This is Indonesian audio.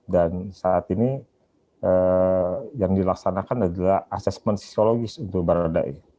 dan saat ini yang dilaksanakan adalah asesmen psikologis untuk baradae